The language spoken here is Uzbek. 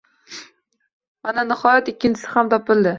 Mana, nihoyat ikkinchisi ham topildi.